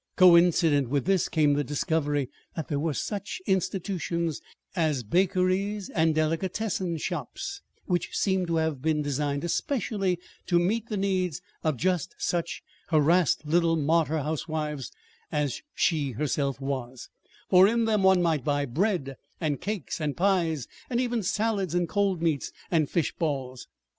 Coincident with this came the discovery that there were such institutions as bakeries and delicatessen shops, which seemed to have been designed especially to meet the needs of just such harassed little martyr housewives as she herself was; for in them one might buy bread and cakes and pies and even salads and cold meats, and fish balls.